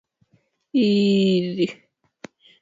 wa kushirikiana na rafiki zake ufarasa na malaysia